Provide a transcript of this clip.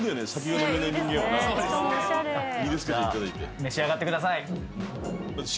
召し上がってください。